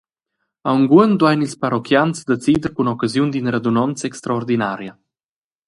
Aunc uonn duein ils parochians sedecider cun occasiun d’ina radunonza extraordinaria.